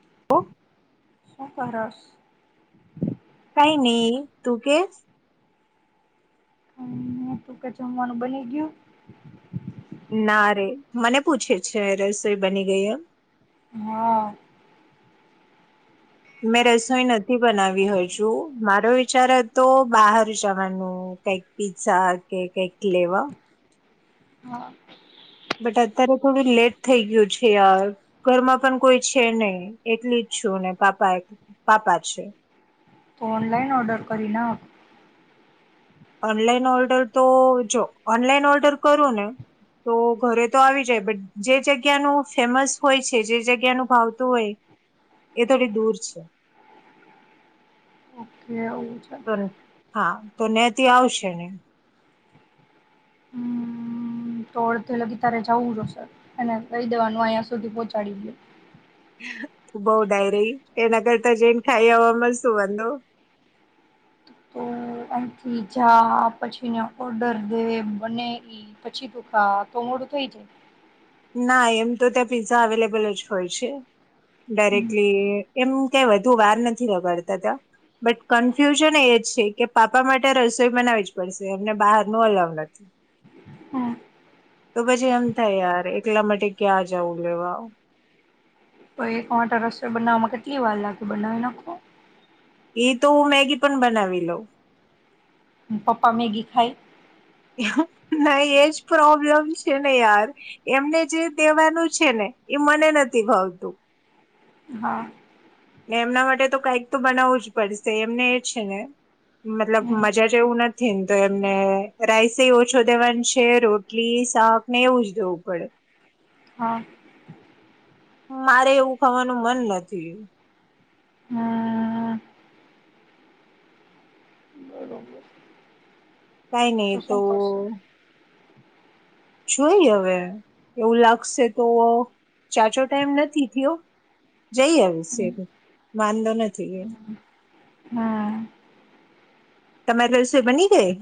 [inaudible] [unintelligible] નહી [inaudible] હ તું કે જમવાનું બની ગીયુ? ના રે મને પૂછે છે. રસોઈ બની ગઈ એમ. હ. મેં રસોઈ નથી બનાવી હજુ મારો વિચાર હતો બાહાર જવાનું કઈક પી્ઝા કે કઈક લેવા. હા. અત્યારે થોડી લેટ થઈ ગયું છે. અ ઘરમાં પણ કોઈ છે ને એલી જ છું ને પાપા પાપા છે. તો ઓનલાઈન ઓર્ડર કરી ના. ઓનલાઈન ઓર્ડર તો જો ઓનલાઈન ઓર્ડર કરું ને તો ઘરે તો આવી જાય બટ જે જગ્યાનું ફેમસ હોય છે. જે જગ્યાનું ભાવતું હોય એ થોડી દૂર છે. [unintelligible] પર હા. તો નનેતી આવશે ને! હમ તો અડધે લગી તારે જવું જો સર એને કહી દેવાનું અહિયાં સુધી પહોંચાડી દે. બોહ ડાય રે એના કરતા જને ખાઈ આવવાવામાં શું વાંધો? તો અહીંથી જા પછીને ઓર્ડર દે બને. એ પછી તું ખા તો મોડું થઈ જાય. ના એમ તો ત્યાં પીઝા અવેલેબલ જ હોય છે. હમ ડાયરેક્ટલી એમ કઈ વધુ વાર નથી લગાડતા. ત્યાં બટ કન્ફ્યુઝન એ જ છે. કે, પાપા માટે રસોઈ બનાવી જ પડશે. એમને બહાર ન અલવ નથી. તો પછી એમ થાય યાર એટલા માટે ક્યાં જવું લેવા? તો એકમાટ રસોઈ બનાવવામાં કેટલી વાર લાગે બનાવી નાખો. એ તો હું મેગી પણ બનાવી લઉં. પપ્પા મેગી ખાય? નહી એજ પ્રોબ્લેમ છે ને યાર એમને જે દેવાનું છે ને એ મને નથી ભાવતું. હા. ને એમના માટે તો કઈક તો બનાવવું જ પડશે એમને એ છે ને મતલબ હમ મજા જે એવું નથી ને તો એમને રાઈસ ઓછો દેવાની છે રોટલી શાક ને એવું જ દેવું પડે. હા. મારે એવું ખાવાનું મન નથી. હમ કઈ નહી તો શું કરશું જોઈએ અવે. એવું લાગશે તો જાજો ટાઈમ નથી થ્યો, જઈ આવશું હવે. વાંધો નથી એ. હા તમારે રસોઈ બની ગઈ?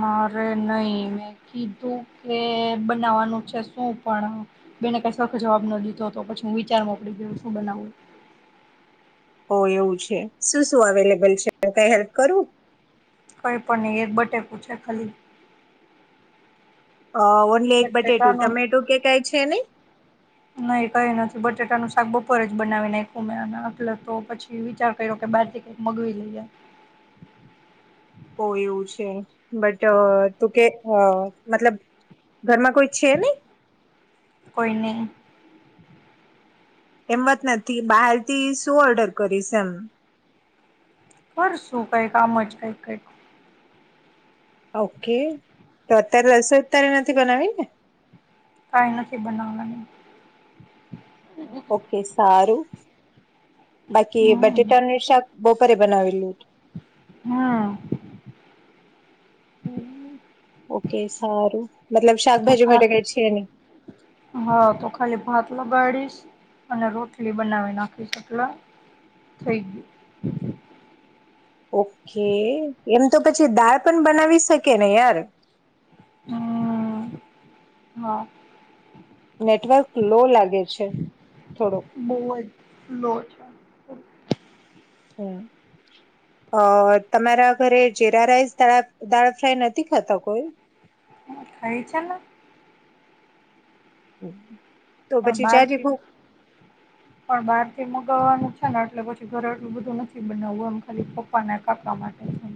મારે નઈ. મેં કીધું કે બનાવવાનું છે શું, પણ બેને કઈ સરખો જવાબ ન દીધો તો પછી હું વિચારમાં પડી ગયો શું બનાવું. ઓ એવું છે. શું શું અવેલેબલ છે. કંઈ હેલ્પ કરું? કંઈ પણ નહીં. એક બટેકુ છે ખાલી! અ, ઓન્લી એક બટેટું. બટેટાનું ટમેટો કે કાંઈ છે નહીં? ક બપોર જ બનાવી નાયખું મેં, ન એટલે તો પછી વિચાર કયરો કે બાર થી કઈક મગવી લઈએ. ઓ એવું છે. બટ તું કે મતલબ ઘરમાં કોઈ છે નઈ? કોઈ નહી. એમ વાત નથી. બહારથી શું ઓર્ડર કરીશ એમ? કરશું, કઈક આમ જ કઈંક કઈંક. ઓકે. તો અત્યારે રસોઈ અત્યારે નથી બનાવીને? કાંઈ નથી બનાવના અમે. ઓકે. સારું. બાકી હમ બટેટાની શાક બપોરે બનાવીયું? હમ ઓકે સારું મતલબ તો શાકભાજી ભાત માટે કાંઈ છે નઇ. ઉગાડીશ અને રોટલી બનાવી નાખીશ એટલા થઈ ગયું. ઓકે. એમ તો પછી દાળ પણ બનાવી શકે ને યાર. હા, હા. નેટવર્ક લો લાગે છે થોડુંક. બહુ જ લો છે હમ્મ અ તમારા ઘરે જીરા રાઈસ, દાળ ફ્રાય નથી ખાતા કોઈ? ખાઈએ છેને. હમ્મ. પણ બહારથી પણ બહાર થી મુકવવાનું એટલે પછી ઘરે એટલું બધું નથી બનાવવું એમ ખાલી પપ્પાના કાપડા માટેચ એમ.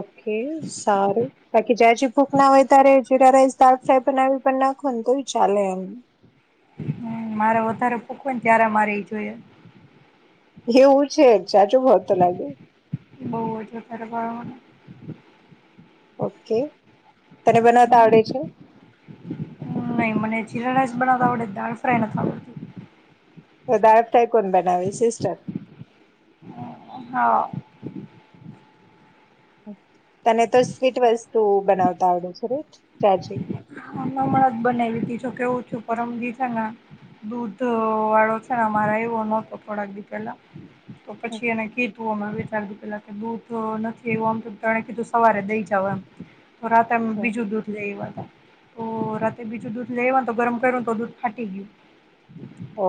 ઓકે સારું, બાકી જ જે ભૂક ના હોય ત્યારે જીરા રાઈસ દાલ ફ્રાય બનાવી પણ નાખોને તો ઈ ચાલે એમ. હ મારે વધારે ભૂક ને ત્યારે મારે એ જોયે. એવું છે જાજો ભાવ તો લાગે બહજ [unintelligible] ઓકે. તને બનાવતા આવડે છે? નહીં મને જીરા રાઇસ બનાવત આવડે દાળ ફ્રાય નથી આવડતી. તો દાય થાઈ કોણ બનાવે સિસ્ટર. હા. તને તો સ્વીટ વસ્તુ બનાવતા આવડે છે ને ચાચી હા, હમણા જ બનાયવી તી. જો કેવું થ્યુ પરમદી છે ને, દૂધવાળો છે ને અમારે, આયવો નતો થોડાક દિ પેલા. તો પછી એને કીધું અમે [unintelligible] પેલા કે દૂધ નથી આયવું આમ, તો તણે કીધું સવારે દઈ જાવા. તો રાતે અમ બીજું દૂધ લઈ આયવા તા. તો રાતે બીજું દૂધ લઈ આયવાન્ તો ગરમ કયરુન તો દૂધ ફાટી ગ્યું.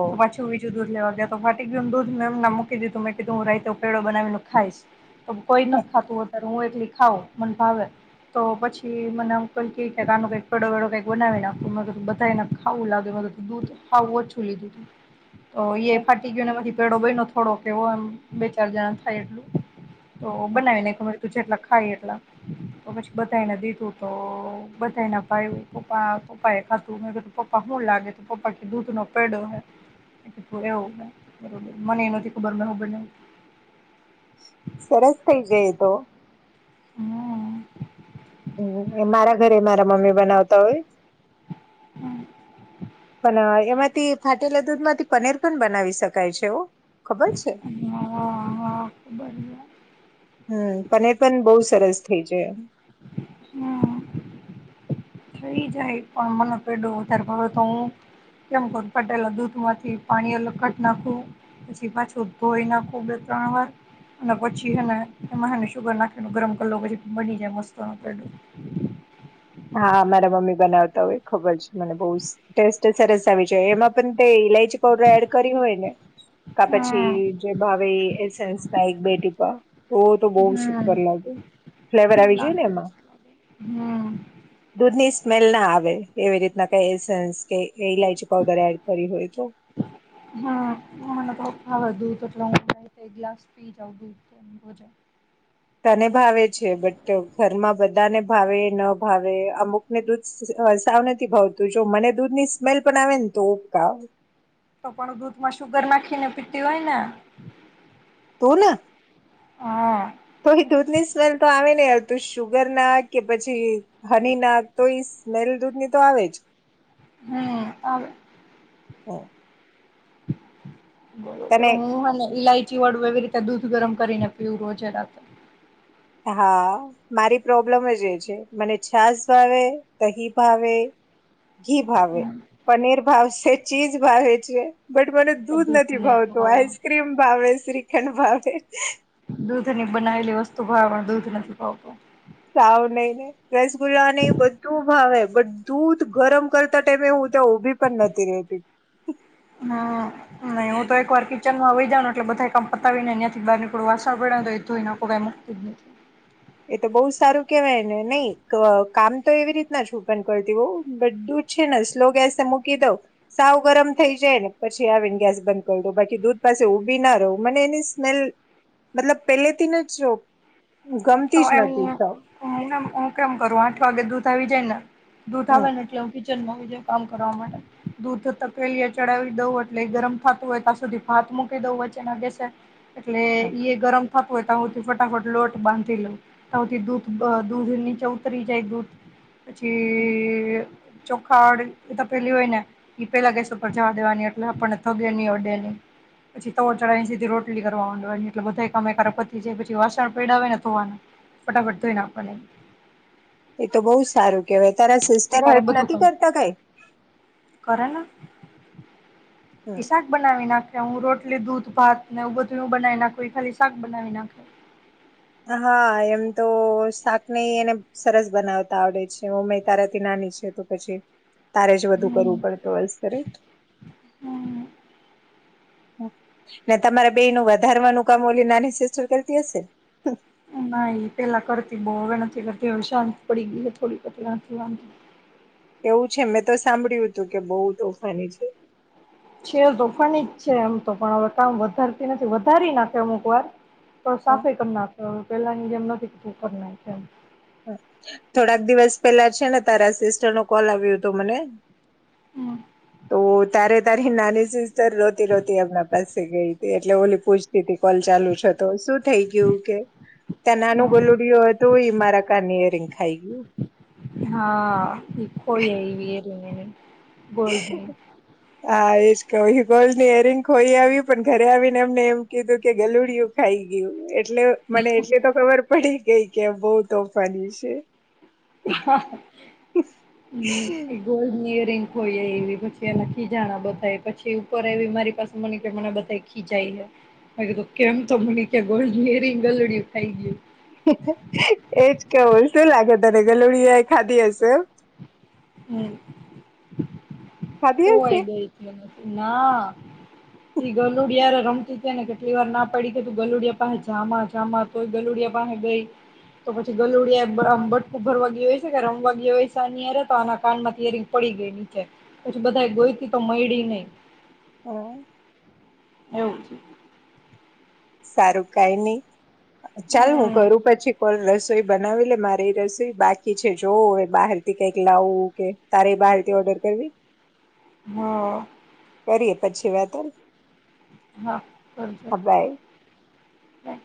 ઓ તો પાછું બીજું દૂધ લેવા ગ્યા. તો ફા એકદમ દૂધને એમ નેમ મૂકી દીધું મેં કીધું હું રાયતો પેળો બનાવીને ખાઈસ. તો કોઈ નથ ખાતું વધારે. તો હું એકલી ખાઉ, મન ભાવે. તો પછી મને એમ કોઈ કે કે આનું કંઈ. ડોડોવેડો કંઈક બનાવી નાખુ મેં કીધું, બધાયને ખાવું લાગે મેં કીધું. દૂધ હાવ ઓછું લીધું તું. તો એ ફાટી ગયો ને પેડો બયનો તો. થોડોક એવો એમ બે ચાર જણાન થાય એટલું. તો બનાવી નાયખો મેં કીધું જેટલા ખાઈ એટલા. તો પછી બધાઈને દીધું તો બધાને ભાયવું. પપા પપાએ ખાધું. મે કધું પપ્પા હું લાગે, તો પપ્પા કે દૂધ નો પેડો હોય. મેં કીધું એવું. મને ય નથી ખબર મે હું બનાયવું. સરસ થઈ જાય એ તો. હા. હ મારા ઘરે ય મારા મમ્મી બનાવ તવે. હમ્મ. પણ એમાંથી ફાટેલા દૂધ માંથી પનીર પણ બનાવી શકાય છેવ. અ વા વા [unintelligible] હમ્મ પનીર પણ બહુ સરસ થઇ જાય એમ. હા. થઈ જાય પણ મનો પેડો વધારે પડે તો હું કેમ ક પટેલા દૂધમાંથી પાણી અલગ કટ નાખું પછી પાછું ધોઈ નાખું બે ત્રણ વાર અને પછીને એમાં શુગર નાખી ગરમ કર પછી બની જાય મસ્તોનો પેડો. હા મારા મમ્મી બનાવતા હોય ખબર છે મને બહુ ટેસ્ટ સરસ ત આવી જાય એમાં પણ તે ઈલાયચી પાવડર એડ કરી હોય ને કા પછી હમ જે ભાવે એસ એક બે ટીપા ઓ તો બહ હમ સુપર લાગે ફ્લેવર આવી જય ને એમાં. હમ દૂધની સ્મેલ ના આવે. એવી રીતના કઈ એસન્સ, કે એ ઇલાયચી પઉડર એડ કરી હોય તો? હા મને તો ભાવે દૂધ એક ગ્લાસ પી જજ [unintelligible] તને ભાવે છે. બટ, ઘરમાં બધાને ભાવે, ન ભાવે. અમુકને દૂધ સાવ નથી ભાવતું. જો, મને દૂધ ની સ્મેલ પણ આવે ને તો, ઉપકા તો પણ, દૂધ માં શુગર નાખી ને પી પીવાયના. તો ને હા. તો એ દૂધ ની સ્મેલ તો આવે નહી તુ સુુગર ના કે પછી હની ના તો સ્મેલ દૂધની તો આવે જ. હમ્મ અવે હ. બ હ હ લઈ. ચીવડ વગેરે. દૂધ ગરમ કરીને. બ્યુંબો જરાક હા મારી પ્રોબ્લેમ જ એ છે મને છાસ ભાવે, દહી ભાવે ઘી ભાવે, પનીર ભાવશે, ચીઝ ભાવે છે. બટ મને તો દૂધ નથી નહી ભાવતું, ભાવે આઈસ્ક્રીમ ભાવે શ્રી એ ભે. દૂધ ની બનાવેલી વસ્તુ ભાવ પણ દૂધ નથી ખાવતો. સાવું નઈ નને. રસગુલ્લા ની બધું ભાવે. બટ દૂધ ગરમ કરતા ટાઈમે હું ત્યાં ઉભી પણ નથી રતી. કચનમાં વય જવા એટલેધા કામ પતાવીનેહીયાથી બહારને થોું વાસ પડ તો એ કઈ મુત જ નથી. એ તો બહુ સારું કેવાય ને નહી કામ તો એવી રીતના જ હું બન કરતી હોઉ બટ દૂધ છે ને સ્લો ગેસ મૂકી દઉ સાવ ગરમ થઈ જાય ને પછી આવીને ગેસ બંધ કરી દઉ બાકી દૂધ પાસે ઉઊભી ના રહું મને એની સ્મેલ મતલબ પેલેથી ન જ. તો ગમતી જ નથી એમું સાવ હ હું કેમ કરું આઠ વાગે દૂધ આવી જાય ને. દૂઠા હમ બને એટલેું. કામ કરવા માટે દૂધ તકેલી ચડાવી દઉં એટલે ગરમ થતું હોય ત્યાં સુધી ભાત મૂકી દઉં વચ્ચેના ગ. એટલે હમ, ઈ ગરમ. ય ફટાફટ લોટ બાંધ. થી દૂધ દૂધ નીચે ઉતરી જાય દૂધ. હમ. પછી. ચોખાડ એ પેલી હોય ને એ પેલા ગેસ ઉપર જવા દેવાની એટલે આપણને થગે ની અડે ની પછી તવ ચ એધી રોટલી કરવા માંડવાની એટલે બધા કમો તારા પતી જાય પછી વાસણ પયડા હોય ને ધોવાના ફટાફટ ધોઈ નાખવાના. એ તો બહુ જ સારું. કે ભ તારા સિસ્ટર એકારે હેલ્પ બધું નથી કામ કરતા કઈ. હમ. પ શાક બનાવી નાખ. કે હું રોટલી દૂધ ભાત ને એવું બધું બનાવી નાખું ખાલી એ શાક બનાવી નાખે. હા એમ તો શાક નહ એને સરસ બનાવતા આવડે છે હ મેં તારાથી નાની છે ત પછી. તારે જ વધુ કરવું હમ પડે અલ્સરિ હમ ને તમારા બેયનું વધારવાનું કામ ઓલી નાની સિસ્ટર કરતી હશેન? ના, ઈ પેલા કરતી બઉ. હવે નથી કરતી. હવે શાંત પડી ગઈ એ થોડીક. અત્યાર તો વાં એવું છે? મેં તો સાંભળ્યું હતું કે બહુ તોફાની છે. છે તોફાની જ છે એમ. તો પણ હવે કામ વધારતી નથી, વધારી નાખે અમુક વાર. તો સાફેય કર નાખે અવે. પેલા ની જેમ નથી ક ઉપર નાયખુ એમ. થોડાક દિવસ પેલા છે ને, તારા સિસ્ટરનો કોલ આવ્યો તો મને. હમ તો તારે તારી નાની સિસ્ ટર રોતી રોતી આપણા પાસે ગઈ. તી, એટલે ઓલી પૂછતી તી કોલ ચાલુ છે, તો શું થઈ ગ્યું કે. ત્યાં નાનું હા. ગલુડીયો હતું ઈ મારા કાન ની એરિંગ ખાઈ ગયું હા ઈ એવી જને વર્લ્ડની હા એશ કહ કોલ ની એરિંગ ખોઈ આવ્યું પણ ઘરે આવીને એમને એમ કીધું કે ગલુડિયું ખાઈ ગયું એટલે મને એટલી તો ખબર પડી કઈ કે બહુ તોફાની છે હમ એ ગોલની ખોઈ એ પછી એના ખીજાણા બતા પછી ઉપર એ મારી પાસે મને કે મને બધ ખીજાય હ કીધું કેમ તો મને કે ગોલ્ની એ રિંગ ગલડિય ખાઈ ગયું એજ કેવ શું લાગે તને કે લુળિયા ખાધી હશે હ ખાધી હોય હશે ગઈ મને ના ઈ ગલુડય રમતી છે ને કેટલી વાર ના પડી કે તું ગલુડિયા પાસે જમા જામા તોય ગલુડિયા પાસે ગઈ તો પછી ગલુડિયા ભટકું ભરવા ગય હોય છે કે રમવા ગયા હોય છેનીરે તો આના કાનમાં તરી પડી ગઈ નીચે પછી બધા ગોઈતી તો મડી નહ હમ એવું છે સારું કઈ નહી ચાલ હું કરું પછી કોલ રસ રસોઈ બનાવી લે મારી રસોઈ બાકી છે જોવ એ બહાર થી કઈક લાવું કે તારે એ બહાર થી ઓર્ડર કરવી હા કરીએ પછી વાત હા બજ હા બાય. હા